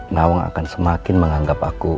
nawang akan semakin menganggap aku